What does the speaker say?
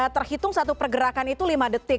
terhitung satu pergerakan itu lima detik